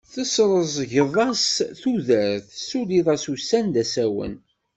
Tesreẓgeḍ-as tudert, tessuliḍ-as ussan d asawen.